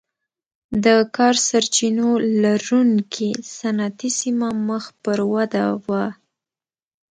د کا سرچینو لرونکې صنعتي سیمه مخ پر وده وه.